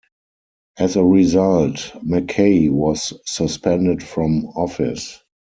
As a result, Mackay was suspended from office.